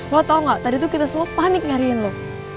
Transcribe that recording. lo tau gak tadi tuh kita semua panik nyariin lo